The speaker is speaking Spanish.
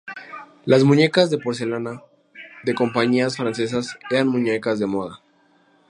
Las muñecas de porcelana de compañías francesas eran muñecas de moda.